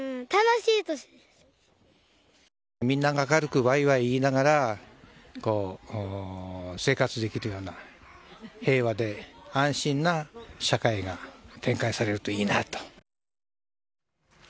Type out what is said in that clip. みんなが明るくわいわい言いながら、生活できるような、平和で安心な社会が展開されるといいなと。